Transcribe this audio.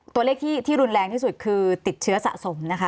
ตัวเลขที่รุนแรงที่สุดคือติดเชื้อสะสมนะคะ